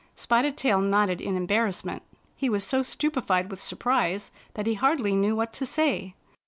Spotted Tail nodded in embarrassment. He was so stupefied with surprise that he hardly knew what to say.